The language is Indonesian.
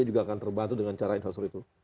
juga akan terbantu dengan cara infrastruktur itu